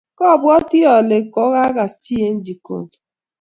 Kwobwoti ale kokagas chi eng' chigoni.